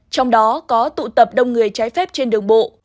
trong đó có tụ tập đông người trái phép trên đường bộ